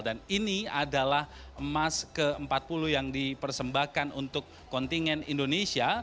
dan ini adalah emas ke empat puluh yang dipersembahkan untuk kontingen indonesia